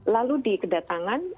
lalu di kedatangan